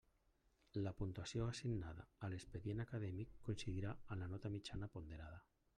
La puntuació assignada a l'expedient acadèmic coincidirà amb la nota mitjana ponderada.